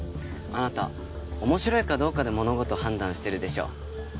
あなた面白いかどうかで物事を判断してるでしょ？